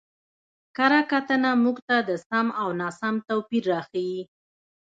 کره کتنه موږ ته د سم او ناسم توپير راښيي.